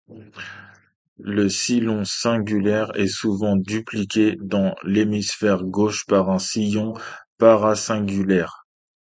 Le sillon cingulaire est souvent dupliqué dans l'hémisphère gauche par un sillon paracingulaire.